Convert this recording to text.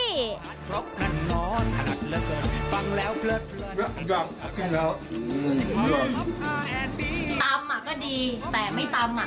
นอนค่ะเลิกก่อนฟังแล้วเลิกแล้วตำก็ดีแต่ไม่ตำ